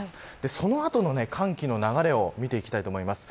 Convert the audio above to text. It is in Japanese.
そのあとの寒気の流れを見ていきたいと思います。